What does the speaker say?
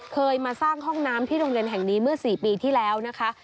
เคยมาสร้างห้องน้ำที่โรงเรียนแห่งนี้เมื่อ๔ปีที่แล้วนะคะ